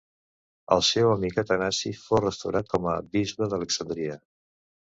El seu amic Atanasi fou restaurat com a bisbe d'Alexandria.